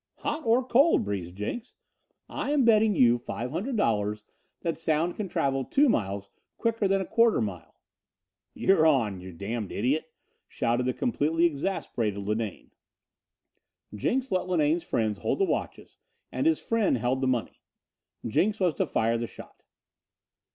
"Hot or cold," breezed Jenks, "I am betting you five hundred dollars that sound can travel two miles quicker than a quarter mile." "You're on, you damned idiot!" shouted the completely exasperated Linane. Jenks let Linane's friends hold the watches and his friend held the money. Jenks was to fire the shot.